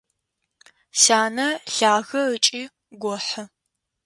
Сянэ лъагэ ыкӏи гохьы.